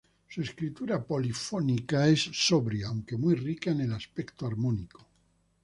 Su escritura polifónica es sobria, aunque muy rica en el aspecto armónico.